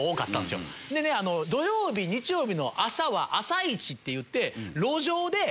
土曜日日曜日の朝は朝市っていって。